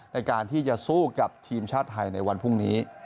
ในการที่จะสู้กับทีมชาติไทยในวันพรุ่งนี้